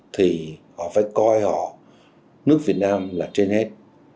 thì họ phải coi họ nước việt nam là trên hết